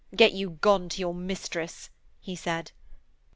'Get you gone to your mistress,' he said.